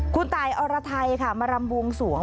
คุณตายอรไทยค่ะมารำบวงสวง